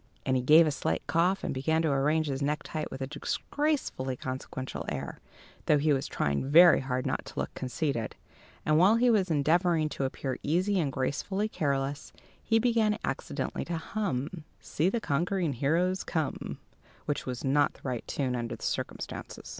And he gave a slight cough, and began to arrange his necktie with a disgracefully consequential air, though he was trying very hard not to look conceited; and while he was endeavouring to appear easy and gracefully careless, he began accidentally to hum, "See the Conquering Hero Comes," which was not the right tune under the circumstances.